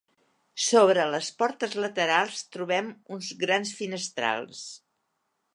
Sobre les portes laterals trobem uns grans finestrals.